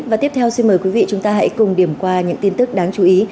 và tiếp theo xin mời quý vị chúng ta hãy cùng điểm qua những tin tức đáng chú ý